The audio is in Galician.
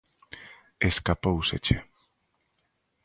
Escapóuseche.